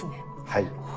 はい。